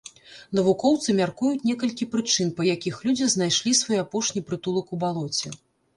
Навукоўцы мяркуюць некалькі прычын, па якіх людзі знайшлі свой апошні прытулак у балоце.